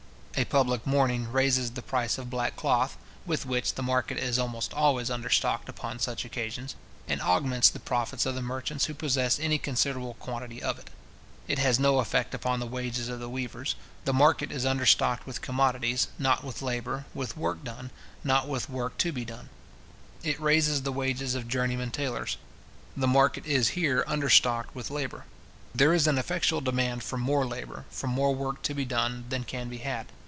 A public mourning raises the price of black cloth (with which the market is almost always understocked upon such occasions), and augments the profits of the merchants who possess any considerable quantity of it. It has no effect upon the wages of the weavers. The market is understocked with commodities, not with labour, with work done, not with work to be done. It raises the wages of journeymen tailors. The market is here understocked with labour. There is an effectual demand for more labour, for more work to be done, than can be had.